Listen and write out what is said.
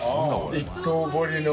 ・一刀彫りの。